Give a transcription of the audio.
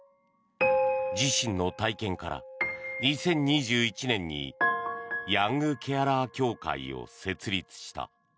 自身の体験から２０２１年にヤングケアラー協会を設立した。